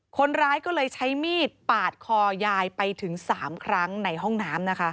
คนร้ายก็เลยใช้มีดปาดคอยายไปถึง๓ครั้งในห้องน้ำนะคะ